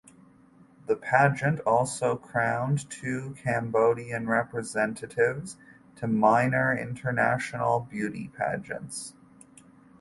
The pageant also crowned two Cambodian representatives to minor international beauty pageants.